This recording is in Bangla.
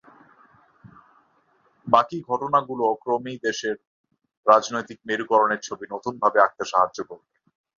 বাকি ঘটনাগুলোও ক্রমেই দেশের রাজনৈতিক মেরুকরণের ছবি নতুনভাবে আঁকতে সাহায্য করবে।